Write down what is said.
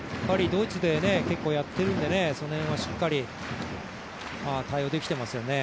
ドイツで結構やってるんでその辺はしっかり対応できてますね。